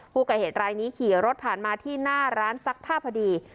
ผู้ก่อเหตุรายนี้ขี่รถผ่านมาที่หน้าร้านซักผ้าพอดี